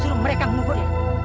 suruh mereka mengubur